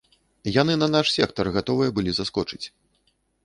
Яны на наш сектар гатовыя былі заскочыць.